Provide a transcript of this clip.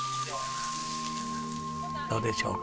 どうでしょうか？